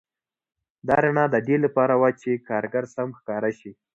دا رڼا د دې لپاره وه چې کارګر سم ښکاره شي